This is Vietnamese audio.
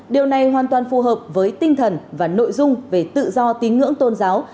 điều này hoàn toàn phù hợp với tinh thần và nội dung về tự do tín ngưỡng tôn giáo